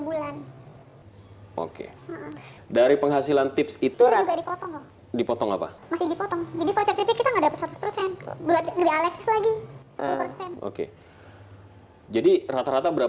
bulan oke dari penghasilan tips itura dipotong apa apa masjid japon kita hah